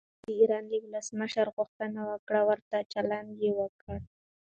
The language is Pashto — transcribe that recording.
هغه د ایران له ولسمشر غوښتنه وکړه ورته چلند وکړي.